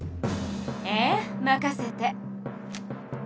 ええまかせて！